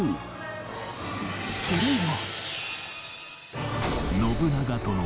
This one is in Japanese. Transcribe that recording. それは